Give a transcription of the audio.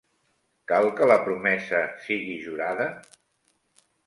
Cal que la promesa sigui jurada?